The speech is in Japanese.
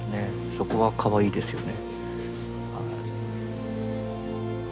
そこはかわいいですよね。